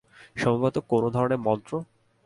সম্ভবত কোন ধরনের মন্ত্র?